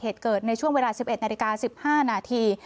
เหตุเกิดในช่วงเวลา๑๑นาฬิกา๑๕นาที